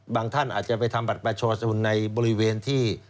ท่านอาจจะไปทำบัตรประชาชนในบริเวณที่